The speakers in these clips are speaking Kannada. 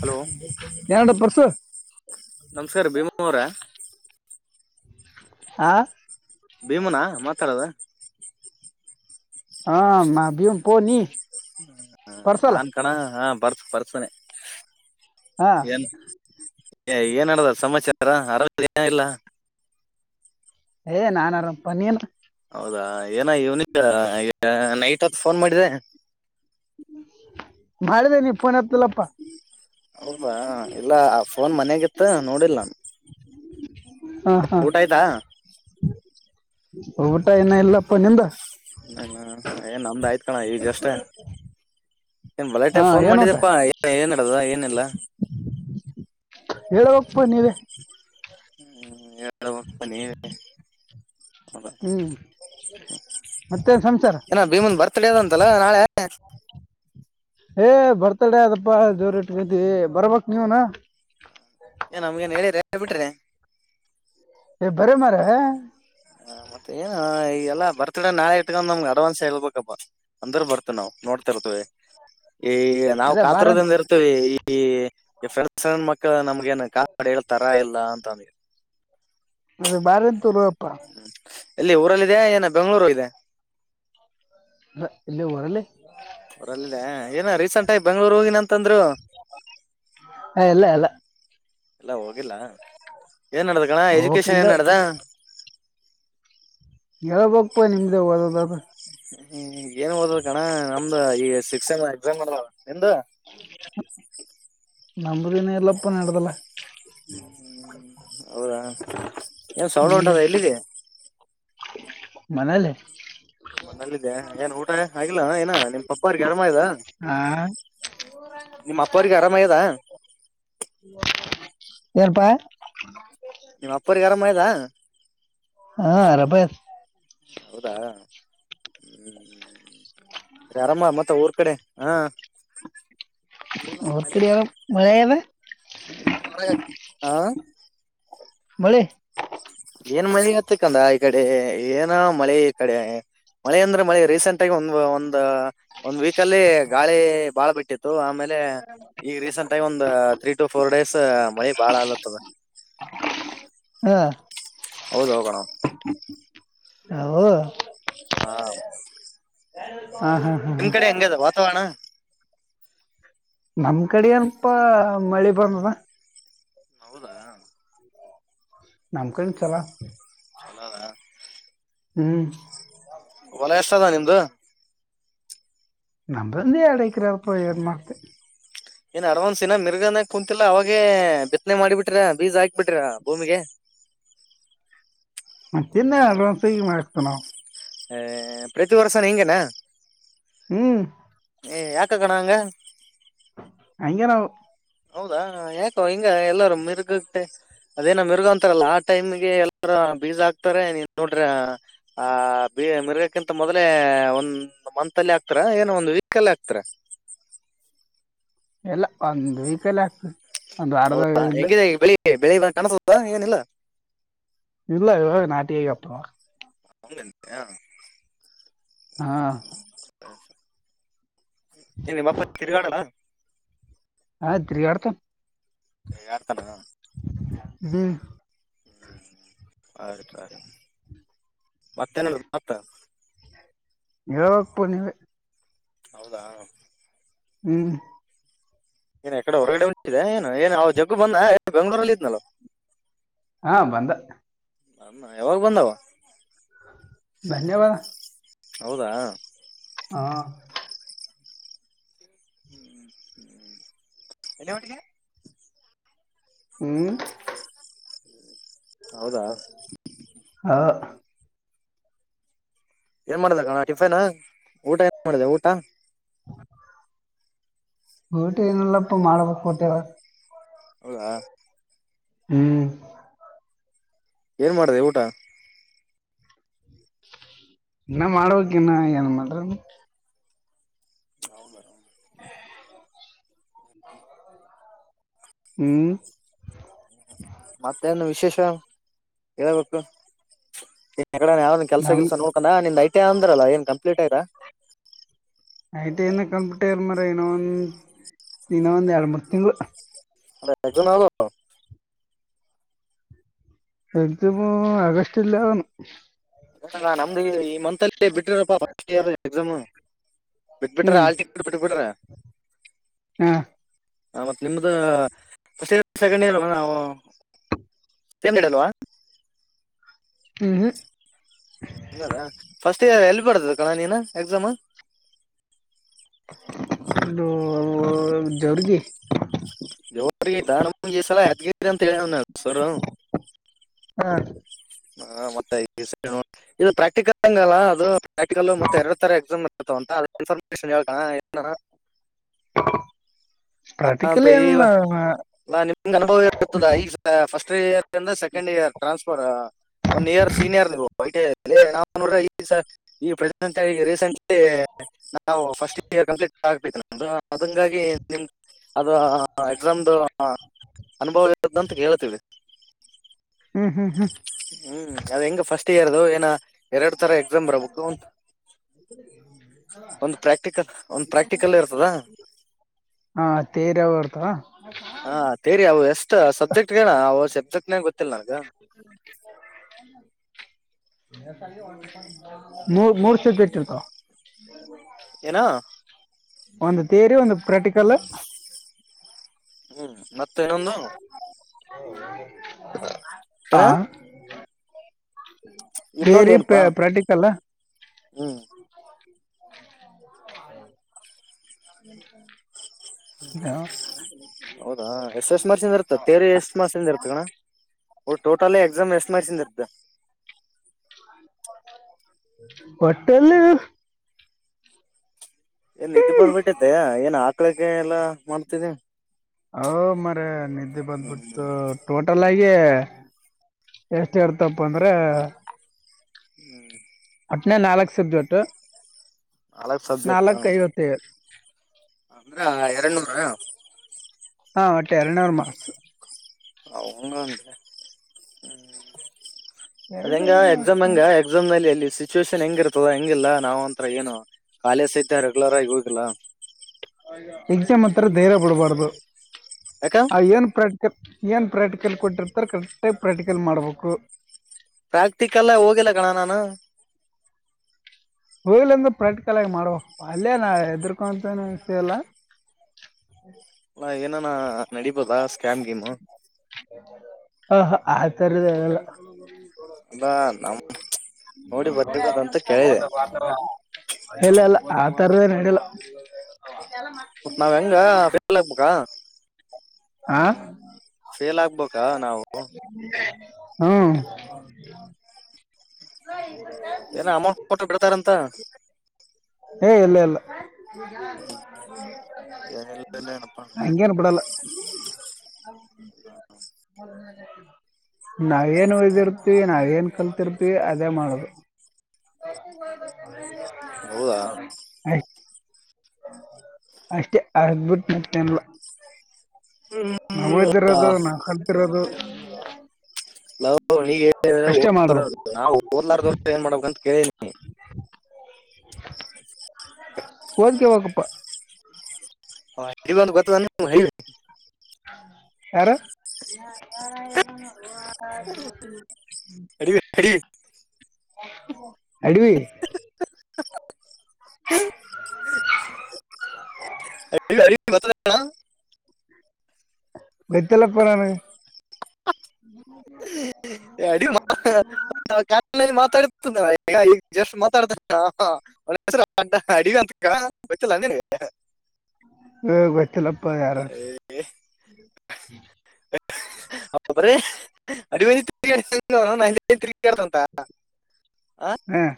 ಹಲೋ ಯಾರಡು ಪರ್ಸು ನಮ್ಸ್ಾರ್ ಭೀಮ ಅವರ ಹಾ ಭೀಮನಾ ಮಾತಾಡೋದ ಹ ಮಾ ಬಿಹುನು ಪೋ ನೀ ಪರ್ಸಲ್ಲ ನಾನ್ ಕಣ ಹಾ ಬರ್ಸ ಬರ್ಸನೆ ಹಾ ಏನ್ ಏನ್ಡದಾರ ಸಮಾಚಾರ ಆರೋಗ ಏನ ಇಲ್ಲ ಏ ನಾನ್ ಆರಾಮ್ಪ ನೀನ್ ಹೌದಾ ಏನ ಇವ್ನಿಂಗ್ ನೈಟ್ ಹೊತ್ ಫೋನ್ ಮಾಡಿದಿ. ಮಾಳಿದೆ ನೀ ಫೋನ್ ಎತ್ತಿಲ್ಲಪ್ಪ. ಹೌಬಾ ಇಲ್ಲ ಫೋನ್ ಮನ್ಯಗಿತ್ತ ನೋಡಿಲ್ ನಾನ್. ಹಾ ಹಾ ಊಟ ಆಯ್ತಾ ಊಟ ಇನ್ನು ಇಲ್ಲಪ್ಪ ನಿಂದ್ ಇನ್ನು ಇಲ್ಲ ಏಯ್ ನಮ್ದ ಆಯ್ತ್ ಕಣ ಈಗಷ್ಟೇ. ಬಲಟ ಹಾ ಫೋನ್ ಮಾಡಿದಪ್ಪಾ ಏನ್ ಏನ್ ನಡ್ದ ಏನಿಲ್ಲ. ಹೇಳಬೇಕ್ಪ ನೀವೆ. ಹ್ಮ್ ಹೇಳಬೇಕು ನೀವೇ ಹೌದ ಹ್ಮ್ ಮತ್ತೇನ್ ಸಂಸಾರ ಏನೋ ಭೀಮನ್ ಬರ್ತ್ಡೇ ಅದ ಅಂತಲ್ಲೋ ನಾಳೆ. ಏ ಬರ್ತಾಡೆ ಅದಪ್ಪಾ ಜೋರ್ ಇಟ್ ಬುದ್ದಿ ಬರ್ಬೇಕ್ ನೀವುನು ಏನ್ ನಮ್ಗೇನ್ ಹೇಳಿರಿ ಎ ಬಿಟ್ರಿ. ಎ ಬರ್ರೀ ಮಾರೆ ಹ ಮತ್ತೆ ಏನ್ ಈಗೆಲ್ಲಾ ಬರ್ತಡೆ ನಾಳೆ ಇಟ್ಕೊಂಡ್ ನಮ್ಗೆ ಅಡ್ವಾನ್ಸ್ ಹೇಳ್ಬೇಕಪ್ಪ. ಅಂದ್ರ ಬರ್ತ್ವ್ ನಾವ್ ನೋಡ್ತಿರ್ತವಿ ಈಗ್ ನಾವ್ ಅದೇ ಬಾರ ಕಾತುರದಿಂದ್ ಇರ್ ಇ ಈ ಸಣ್ಣ್ ಸಣ್ಣ್ ಮಕ್ಕಳ ನಮ್ಗ ಏನ್ ಕಾಪಾಡಿ ಹಳ್ತರಾ ಇಲ್ಲ ಅಂತಂದ ಅದ್ ಬಾರಿ ಅಂತಿರೋ ಅಪ್ಪ. ಎಲ್ಲಿ ಊರಲ್ಲಿದೀಯ ಏನ್ ಬೆಂಗಳೂರು ಹೋಗಿದ. ಅಹ ಇಲ್ಲೇ ವಾರಲ್ಲಿ. ಅಂಗ ಏನ ರೀಸೆಂಟ್ ಆಗಿ ಬೆಂಗ್ಳೂರ್ ಹೋಗಿನ್ ಅಂತಂದ್ರು. ಹ ಇಲ್ಲ ಅಲ್ಲ ಇಲ್ಲ ಹೋಗಿಲ್ಲ ಏನ್ ನಡ್ದ ಗಣ ಎಜುಕೇಶನ್ ಹೋಗ್ಬೇಕಂದ ಏನ್ ನಡ್ದ. ಹೇಳ್ಬೇಕಪ್ಪ ನಿಮ್ದ ಓದಿ [unintelligible] ಹ್ಮ್ ಏನ್ ಹೋದ್ರ ಕಣ ನಮ್ದ್ ಈ ಸಿಕ್ಸ್ತ್ ಸೆಮ್ ಎಕ್ಸಾಮ್ ನಡ್ದಾವ್ ನಿಮ್ದು. ನಮ್ದಿನ್ನು ಇಲ್ಲಪ್ಪ ನಡ್ದಿಲ್ಲ. ಹ್ಮ್ ಹ್ಮ್ ಹೌದಾ ಏನ್ ಸೌಂಡ ಉಂಟದ ಎಲ್ಲಿದಿ. ಮನೆಲಿ ಮನೆಲ್ಲಿದ್ದ ಏನ್ ಊಟ ಆಗಿಲ್ಲ ಏನ್ ನಿಮ್ ಪಪ್ಪ ಅವ್ರಿಗೆ ಅರಮಾಗ್ಯದ. ಹಾ ನಿಮ್ಮ ಅಪ್ಪ ಅವ್ರಿಗೆ ಆರಾಮಾಗ್ಯದ. ಏನ್ ಪಾ ನಿಮ್ಮ್ ಅಪ್ಪೋರಿಗ್ ಆರಾಮ್ ಆಗ್ಯದ. ಹಾ ಅರಬ ಹೌದಾ ಹ್ಮ ಅರಮ್ಮ ಮತ್ತೆ ಊರ್ ಕಡೆ ಹಾ ಊರ್ ಕಡಿಯ ಮಳೆ ಅಂದ್ರೆ ಹ್ಮ್ ಹೊರೆ ಹಾ ಮಳಿ ಏನ್ ಮಳೆ ಆತಕ್ಕಂದ ಈ ಕಡೆ ಏನ ಮಳೆ ಈ ಕಡೆ ಮಳೆ ಅಂದ್ರೆ ಮಳೆ ರೀಸೆಂಟ್ ಆಗಿ ಒಂ ಒಂದ ಒಂದ್ ವೀಕ್ ಅಲ್ಲಿ ಗಾಳಿ ಬಾಳ ಬಿಟ್ಟಿ ಆಮೇಲೆ ಈಗ ರೀಸೆಂಟ್ ಆಗ್ ಒಂದ್ ತ್ರೀ ಟು ಫೋರ್ ಡೇಸ್ ಮಳಿ ಬಾಳ ಆಲತ್ತದ. ಹಾ ಹೌದ್ ಹೋಗಣೊ. ಹೌ ಹಾ ಹಾ ಹಾ ಹಾ ಹ ನಿಮ್ ಕಡೆ ಹೆಂಗದ ವಾತಾವರಣ ನಮ್ ಕಡೆ ಎನಪ ಮಳೆ ಬಂದದ ಹೌದಾ ನಮಕನು ಚಲ ಚಲೋ ಅದ ಹ್ಮ್ ಹೊಲ ಎಷ್ಟ ಅದ ನಿಮ್ದು ನಮ್ದೊಂದು ಎರಡು ಎಕರೆ ಯದಪ್ಪ ಆಡ್ ಮಾಡ್ ಏನ್ ಅಡ್ವಾನ್ಸ್ ಇನಾ ಮಿರ್ಗಾನಾಗ ಕುೂಂತಿಲ್ಲ ಅವಾಗೇ ಬಿತ್ತನೆ ಮಾಡಿ ಬಿಟ್ಟಿರಾ ಬೀಜಾ ಹಾಕಿ ಬಿಟ್ಟಿರಾ ಭೂಮಿಗೆ ಮತ್ತಿನ ಅಡ್ವಾನ್ಸಗ ಮಾಡ್ಸತೀವಿ ನಾವು ಹ ಪ್ರತಿ ವರ್ಷ ಹಿಂಗೆನಾ ಹ್ಮ್ ಏ ಯಾಕ ಗಣ ಹಂಗ ಹಂಗೆ ನಾವು ಹೌದಾ ಯಾಕೋ ಹಿಂಗ ಎಲ್ಲಾರೂ ಮಿರ್ಗಟೆ ಅದೇನ ಮಿರುಗೊಂತಾರಲ್ಲ ಆ ಟೈಮ್ಗೆ ಎಲ್ಲರ ಬೀಜ ಹಾಕ್ತಾರ ನೀನ್ ನೋಡ್ರಿ ಆ ಬಿ ಮಿರ್ಗಕ್ಕಿಂತ ಮೊದ್ಲೇ ಒಂದ ಒಂದು ಮಂತ್ ಅಲ್ಲಿ ಹಾಕ್ತಿರಾ ಏನೋ ಒಂದು ವೀಕ್ ಅಲ್ಲಿ ಹಾಕ್ತಿರಾ. ಎಲ್ಲ ಒಂದ್ ವೀಕಲ್ಲ ಹಾಕ್ತವಿ ಹೌದಾ ಹೆಂಗಿದೆ ಬೆಳಿ ಬೆಳಿ ಕಾಣಸದಾ ಏನಿಲ್ಲಾ. ಇಲ್ಲ ಇವಾಗ ನಾಟಿ ಆಗ್ಯಾವ ಪಾ ಹಂಗಂತೀಯ ಹಾ ಏನ ನಿಮ್ಮ ಅಪ್ಪ ತಿರ್ಗಾಡಲ್ಲ. ಹಾ ತಿರುಗಾಡ್ತಾನ ತಿರುಗಾಡ್ತಾನ ಹ್ಮ ಹ್ಮ್ ಸರಿತರಿ ಮತ್ತೇನ ಮತ್ತ ಹೇಳಬಕ ಪಾ ನೀವೇ ಹೌದಾ ಹ್ಮ್ ಏನ್ ಎಕಡೆ ಹೊರಗಡೆ ಹೊಂಟೀರೆ ಏನು ಏನ್ ಅವ್ ಜಗ್ಗು ಬಂದನ್ ಬೆಂಗಳೂರಲ್ಲಿ ಇದ್ನಲ್ ಹಾ ಬಂದ ಅ ಯಾವಾಗ ಬಂದಾವ ಧನ್ಯವಾದ ಹೌದಾ ಹಾ ಹ್ಮ್್ಮ ಹ್ಮ್ ಎಲ್ಲಿಗೆ ಹೊಟ್ಟಿಲೇ ಹ್ಮ್ ಹೌದಾ ಹ ಏನ್ ಮಾಡಿದೆ ಕಣೋ ಟಿಫನ್ ಊಟ ಏನ್ ಮಾಡಿದೆ ಊಟ ಊಟ ಏನಲ್ಲಪ್ಪ ಮಾಡ್ಬೇಕ ಕೊಟ್ಟಾರ ಹೌದಾ ಹ್ಮ್ ಏನ್ ಮಾಡ್ರ ಊಟ ಇನ್ನ ಮಾಡ್ಬೇಕಕ ಇನ್ನ ಏನ್ ಮಾಡ್ರ ಹಾವಲ ಹ್ಮ್ ಮತ್ತೇನ್ ವಿಶೇಷ ಹೇಳಬೇಕು ನಿಡ ಯಾವನ್ ಕೆಲ್ಸ ನಮ್ ಕೆಲ್ಸ ನೋಡ್ ಾ ನಿ ಐಟಿ ಅಂದ್ರಲ್ಲ ನ್ ಕಂಪ್ೀಟ್ ಆಯರಾ ಐ ಟಿ ಐನ ಕಂಪ್ಿಟ ಇರ್ ಮರ ಇನ್ನೊ ಒಂದ್ ಇನ್ನ ಒಂದ್ ಎರಡ್ ಮೂರ್ ತಿಂಗ್ಗಳು ಮ ಎ ಜ ಆಲ ಎದುಮ ಆಗಸ್ಟ್ಲ್ಲನು ಗಂಗ ನಮ್ದ ಈ ಮಂತ್ ಅಲ್ಲಿ ಬಿಟ್ಟಿರಪ್ಪಾ ಫಸ್ಟ್ ಇಯರ್ ಎಕ್ಸಾಮ್ ಬಿಟ್ಬಿಟ್ರ ಹ್ಮ್ ಆಲ್ಟ ಬಿಟ್ಟ ಬಿಟ್ಟಬಿಟ್ರ ಹಾ ಹ ಮತ್ತತ್ ನಿಮ್ದ ಫಸ್ಟ್ ಇಯರ್ ಸೆಕೆಂಡ್ ಇಯರ್ ನಾವು ಏನ್ ಇಡಲ್ವಾ ಹ್ಮ ಹ್ಮ ಹದಾ ಫಸ್ಟ್ ಎಲ್ಲಿ ಬರ್ತದೆ ಕಣ್ಣ ನೀನ ಎಕ್ಸಾಮ್ ಇ ಜರ್ಗಿ ಎವರಿಗೆ ದಾನಮಸಲ್ಲ ಎತ್ಗರಿ ಅಂತ ಹೇಳ ಸವರ ಹಾ ಹ ಮತ್ತೆ ಇದು ಪ್ರಾಕ್ಟಿಕಲ್ ಹಂಗಲ್ಲ ಅದು ಪ್ರಾಕ್ಟಿಕಲ್ ಮತ್ತೆ ಎರಡು ತರ ಎಕ್ಸಾಮ್ ಗ ಅಂತ ಅ್ರ ಇನ್ಫಾರ್ಮೇಶನ್ ಹೇಳ್ಕಣ ಹ ಪ್ರಾಕ್ಟಿಕಲಿ ಬಯವ ಏನಿಲ್ಲ ಅಲ್ಲ ನಿಮ್ಗೆ ಅನುಭವ ಇರುತದಾ ಈಗ ಫರ್ಸ್ಟ್ ಇಯರ್ಂದ ಸಕೆಂಡ್ ಇಯರ್ ಟ್ರಾನ್ಸ್ಫರ್ ಒಂದ ಇಯರ್ ಸೀನಿಯರ್ ನಿ ಈ ಪ್ರಂತ ರೀಸೆಂಟ್ಲಿ ನಾವು ಫಸ್ಟ್ ಇರ್ ಕಂಪ್ಲೀಟ್ ಆಗ್ಬೇಕ ಅದಂಗಾಗಿ ನಿಮ ಅದು ಎಕ್ಸಾಮ್ದು ಅನುಭವ ಇದ ಅಂತ ಕೇಳ್ತೀವಿ ಹ್ಮ್ ಹ್ಮ್ ಹ್ಮ್ ಹ್ಮ್ ಅದ್ ಹೆಂಗ ಫಸ್ಟ್ ಇಯರ್ದು ಏನ ಎರಡು ತರ ಎಕ್ಸಾಮ್ ಬರಬೇಕು ಒಂದು್ ಪ್ರಾಕ್ಟಿಕಲ್ ಒಂದ್ ಪ್ರಾಕ್ಟಿಕಲ್ೇ ಇರ್ತದಾ ಹಾ ತೇರಿ ಅವ ಬರ್ತ ಹಾ ತೇರಿ ಅವು ಎಷ್ಟ್ ಸಬ್ಜೆಕ್ಟ್ ಣ ಅವ ಸಬ್ಜೆಕ್ಟ್ನಾಗ ಗೊತ್ತಿಲ್ಲ ನನ್ಗ [inaudible] [inaudible] ಮೂ ಮೂರುಷ ಕೆಟ್ಟಿರ್ತ ಏನ ಒಂದು ತೇರಿ ಒಂದು ಪ್ರಾಕ್ಟಿಕಲ್ ಹ್ಮ್ ಮತ್ತೆನೊಂದು ಆ ಏನ ಇನ್ನೊಂದ ಥಿಯರಿ ಏಲ್ಪಾ ಪ್ರಾಕ್ಟಿಕಲ್ ಹ್ಮ್ ಅ ಹೌದಾ ಎಷ್ಟು ಎಷ್ಟು ಮಾರ್ ಚಿಂದ ಇರುತ್ತ ತೇರಿ ಎಷ್ಟು ಮಾರ್ ಚಿಂದ ಇರ್ತ ಕಣ ಊ ಟಲ್ ಎಕ್ಸಾಮ್ ವಸ್ ಮಾಡ್ಸಿದದ್ದ ಕೊ ಹಟ್ಟೆಲ್ ಏನ್ ನಿದ್ದ್ ಬಂದ್ಬಿಟ್ಟಿದ್ದೆ ಏನ್ ಹಾಕ್ಳಕ್ಕೆ ಎಲ್ಲಾ ಮಾಡ್ತಿದ್ದಿ ಹೌ ಮರ ನಿಧಿ ಹ್ಮ್ ಬಬಟ್ ೋಟಲ್ ಆಯ ಗೆ ಎಷ್ಟ ಹಳ್ತಪ್ಪ ಅಂದ್ರೆ [unintelligible] ಹ್ಮ್ [unintelligible] ಅಟ್ನೇ ನಾಲ್ಕ್ ಸಬ್ಜೆಕ್ಟ್ ನಾಲ್ಕ್ ಸಬ್ಜೆಕ್ಟ್ ನಾಲ್ಕ್ ಐವತ್ತೈದು ಅಂದ್ರ ಎರಡ್ ನೂರ ಹಾ ಒಟ್ಟೆ ಎರಡುನೂರು ಮಾಾರ್ಸ್ ಹ ಅದ ಹೆಂಗ ಎರಡ್ನೂರ್ ಎಕ್ಸಾಮ್ ಮಾರ್ಕ್ಸ್ ಹಂಗ ಎಕ್ಸಾಮ್ ನಲ್ಲಿ ಅಲ್ಲಿ ಸಿಚುುವೇಷನ್ ಹೆಂಗಿರ್ತದ ಹೆಂಗಿಲ್ಲ ನಾವ್ ಅಂರ ಏನು ಕಾಲೇಜ ಸಹಿತ ರೆಗ್ಯುಲರ್ ಆಗಿ ಹೋಗಿಲ್ಲ ಎಕ್ಸಾಮ್ ಹತ್ರ ಧೈರ್ಯ ಬಿಡ್ಬಾರ್ದು ಯಕ.. ಆ ಏನು ಪ್ರಾಕ್ಟಿಕಲ್ ಏನು ಪ್ರಾಕ್ಟಿಕಲ್ ಕೊಟ್ಟಿರ್ತಾರೆ ಕರೆಕ್ಟಾಗಿ ಪ್ರಾಕ್ಟಿಕಲ್ ಮಾಡಬೇಕು. ಪ್ರಾಕ್ಟಿಕಲ್ ಹೋಗಿಲ್ಲ ಕಣ ನಾನು ಹೋಗ್ಲಂದು ಪ್ರಾಕ್ಟಿಕಲ್ ಆಗಿ ಮಾಡುವ ಅಲ್ಲೇ ನಾ ಎದರ್ಕೊಂತನ ವಿಷಯ ಎಲ್ಲ ಅಲ್ಲ ಏನ ನಾ ನಡಬೋದಾ ಸ್ಕೇಾಮ ಗೇಮ ಹಾ ಹ ಆ ತರದಲ್ಲ ಅಲ್ಲಾ ನಮ್ಮ ನೋಡಿ ಬರಿಬೋದಂತ ಕೇಳಿದೆ ಎಲ್ಲ ಎಲ್ಲ ಆ ತರದೇನ್ ಹಲ್ಲ ಮತ್ತ ನಾವ್ ಹೆಂಗಫೇಲ್ ಹಾಕ್ಬೇಕಾ ಹಾ ಫೇಲ್ ಆಗ್ಬೇಕಾ ನಾವು ಹ್ಮ್ ಹ ಬತಾ ಏನ ಅಮೌಂಟ್ ಕೊಟ್ಟು ಬಿಡ್ತಾರಂತ ಏ ಇಲ್ಲ ಇಲ್ಲ ಏನಿಲ್ಲ ಏನಪ್ಪಾ ಹಂಗಗೆನ್ ಬಿಡಲ್ಲ [inaudible] ಮ ನ ನಾವ ಏನ್ ಉಯ್ದಿರ್ತಿವಿ ನಾವ ಏನ್ ಕಲ್ತಿರ್ತಿವಿ ಅದೇ ಮಾಡದು [unintelligible] ಹೌದಾ ಆಯ್ತ ಅಷ್ಟೇ ಅದ್ಭುತ ಮತ್ತ ಹ್ಮ ನಾವ್ಯ್ದಿರೋದು ನಾವವು ಕಲ್ತಿರೋದು ನದ ಅಷ್ಟೇ ಮಾಡೋದು ನಾ ಓದಲಾರ್ದ ಏನ್ ಮಾಡ್ಬೇಕಂತ ಕೇಳ [unintelligible] ಸರಿ [unintelligible] ಓದ್ಕವಾಗಪ್ಪ ಹ ಹೇಳ ಬ ಗ ನಾನ ಹ [unintelligible] ಯಾರ [unintelligible] ಹರಿ [unintelligible] [unintelligible] ಅ ಅ [unintelligible] ಬೆತ್ತಲ್ಲ ಕೊರಾನ ಹ್ಮ್ ಹ್ಮ [unintelligible] ಅಡಿ ಮಾ [unintelligible] ಮಾತಾಡ್ತ ಈಗ ಈಗ ಜಸ್ಟ್ ಮಾತಾಡ್ತ [unintelligible] ಒ ಅಡಿ ಅಂತಕ ಗೊತ್ತಿಲ್ಲ ಅಂದ [unintelligible] ಹ್ಮ ಗತ್ತಲ್ಲಪ್ಪ ಯಾರು ಹ ಬ್ರೀ ಅಡಿವಿ ತಿ ತಿಗತಂತ ಆ [unintelligible] ಹ್ಮ್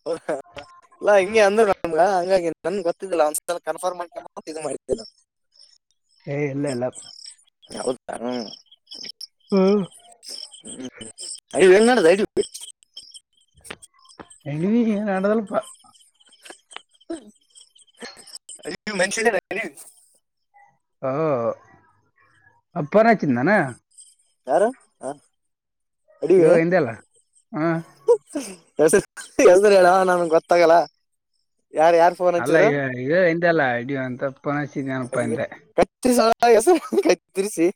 ಹ ಅಲ್ಲ ಹಿಂಗೆ ಅಂದ್ರು ನಮ್ ಹಂಗಾಗಿ ನನ್ ಗೊತ್ತಿಲ್ಲ ಒಂದ್ಸಲ ಕನ್ಫರ್ಮ್ ಮಾಡ್ಲಿ ಅಮೌಂಟ್ ಇದು ಮಾಡಿದ್ದ [unintelligible] ಏಯ್ ಇಲ್ಲ ಇಲ್ಲ ಹ ಕಾರು ಹ್ಮ ಹ್ಮ್ ಐದು ಹೆಂಗ್ ನಡದ ಐದು ಎ ನದಳಪ [unintelligible] ಅ ಮಷ [unintelligible] ಅಪ್ಪ ಫೋನ್ ಹಚ್ಚಿದ್ ನೀನು ಯಾರು ಆ, ಇವ ಎಂದಲ್ಲ ಹಾ ಎಲ್ದ್ರ ಹೇಳ ನಮಗೆ ಗೊತ್ತಾಗಲ್ಲ ಯಾರ ಯಾರ್ ಅಲ್ಲ ಈಗ ಈಗ ಹಿಂದೆಲ್ಲಾ ಇಡ ಅಂತಪ್ಪನಸ್ದನಪ್ಪ ಹಿಂದೆ ಸ್ ತಿಸಿ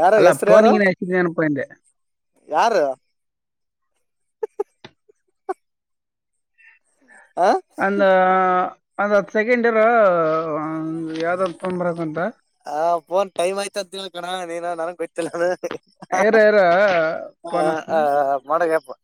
ಯಾರು ಅಲ್ಲ ಹೆಸರು ಯಾರು ಫೋನಿಗಿನ ಹಚ್ಚಿದ್ನೇನಪ್ಪ ಹಿಂದೆ ಯಾರು ಆ ಅಂದು ಅಂದುತ್ತು ಸೆಕೆಂಡ್ ಇರ್ ಯಾವ್ದ ತಂದ್ ಬರಕ್ಂತ ಹಫೋನ್ ಟೈಮ್ ಆಯ್ತ ಅಂತ ಕಣ ನೀನು ನನ್ಗೆ ಗೊತ್ತಿಲ್ಲ ಇರ ಇರ ಫೋನ್ ಹ ಹ ಹಚ್ತೀನಿ ಮಾಡಗ್ಯಪ್ಪ